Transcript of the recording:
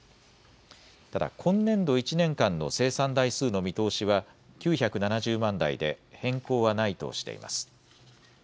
ただ今年度１年間の生産台数の見通しは９７０万台で変更はないとしています。